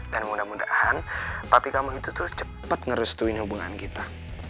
dan mudah mudahan papi kamu itu tuh cepet ngerestuin hubungan kita